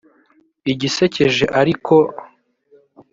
Igisekeje ariko